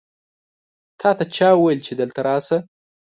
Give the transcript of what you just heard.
تا ته چا وویل چې دلته راسه؟